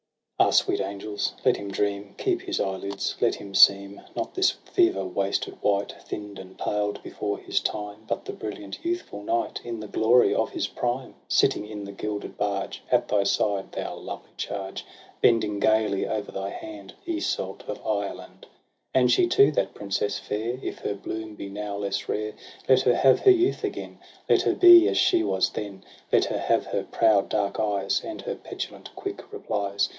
....* Ah, sweet angels, let him dream ! Keep his eyelids! let him seem Not this fever wasted wight Thinn'd and paled before his time, But the brilliant youthful knight In the glory of his prime, Sitting in the gilded barge, At thy side, thou lovely charge, 2 196 TRISTRAM AND ISEULT, Bending gaily o'er thy hand, Iseult of Ireland ! And she too, that princess fair, If her bloom be now less rare, Let her have her youth again — Let her be as she was then ! Let her have her proud dark eyes, And her petulant quick replies.